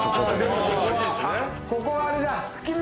ここはあれだ。